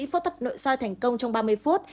phốt tập nội sai thành công trong ba mươi phút